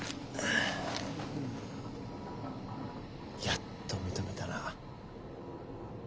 やっと認めたな。